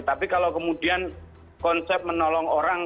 tapi kalau kemudian konsep menolong orang